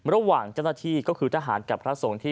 ระหว่างเจ้าหน้าที่คือทหารกับท่านสรงที